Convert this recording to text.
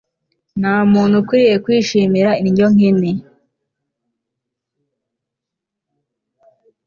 nta muntu ukwiriye kwishimira indyo nkene